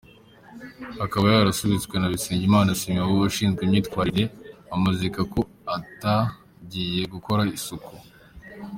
Akaba yarakubishwe na Bisengimana Simeon ushinzwe imyitwarire amuziza ko atagiye gukora isuku.